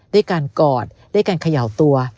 ได้การกอดได้การเขย่าตัว